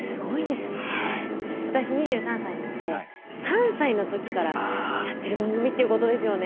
私２３歳なので３歳の時からやってる番組っていうことですよね。